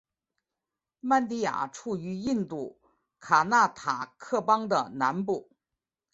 曼迪亚处于印度卡纳塔克邦的南部。